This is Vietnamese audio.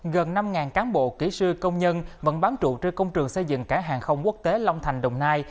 gần năm cán bộ kỹ sư công nhân vẫn bán trụ trên công trường xây dựng cảng hàng không quốc tế long thành đồng nai